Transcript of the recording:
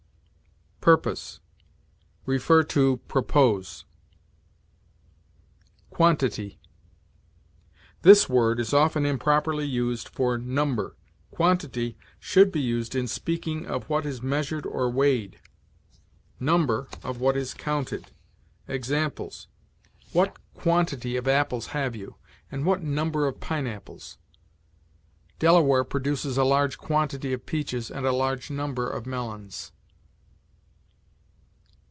PURPOSE. See PROPOSE. QUANTITY. This word is often improperly used for number. Quantity should be used in speaking of what is measured or weighed; number, of what is counted. Examples: "What quantity of apples have you, and what number of pineapples?" "Delaware produces a large quantity of peaches and a large number of melons."